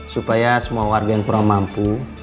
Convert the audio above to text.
supaya semua warga yang kurang mampu